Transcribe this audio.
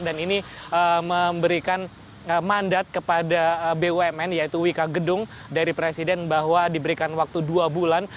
dan ini memberikan mandat kepada bumn yaitu wika gedung dari presiden bahwa diberikan waktu dua bulan